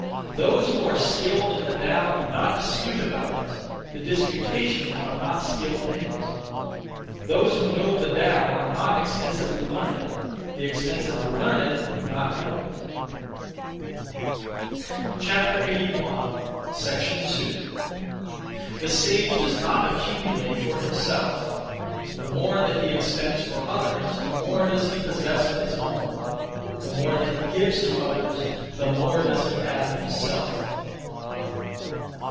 Those who are skilled (in the Tao) do not dispute (about it); the disputatious are not skilled in it. Those who know (the Tao) are not extensively learned; the extensively learned do not know it. 2. The sage does not accumulate (for himself). The more that he expends for others, the more does he possess of his own; the more that he gives to others, the more does he have himself.